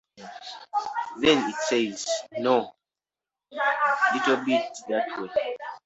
Then it says, 'No, little bit that way.